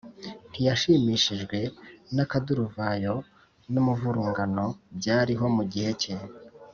ntiyashimishijwe n’akaduruvayo n’umuvurungano byariho mu gihe cye